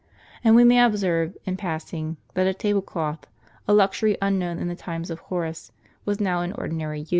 And we may observe, in passing, that a table cloth, a luxury unknown in the times of Horace, was now in ordinary use.